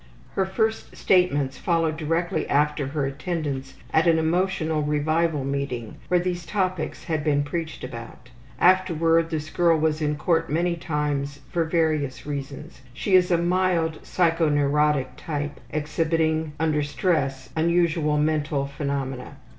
Her first statements followed directly after her attendance at an emotional revival meeting where these topics had been preached about. Afterward this girl was in court many times for various reasons. She is a mild psychoneurotic type, exhibiting under stress unusual mental phenomena.